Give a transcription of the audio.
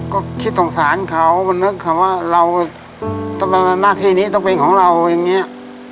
ก็คิดสงสารเขามันนึกเขาว่าเราหน้าที่นี้ต้องเป็นของเราอย่างนี้